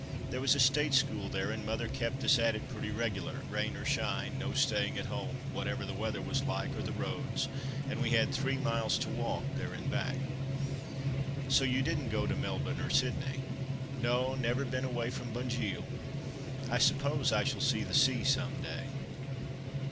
There was a State school there, and mother kept us at it pretty regular, rain or shine, no staying at home, whatever the weather was like or the roads, and we had three miles to walk, there and back." "So you didn't go to Melbourne, or Sydney?" "No! Never been away from Bunjil. I suppose I shall see the sea some day."